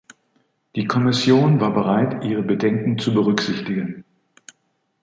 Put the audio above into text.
Die Kommission war bereit, Ihre Bedenken zu berücksichtigen.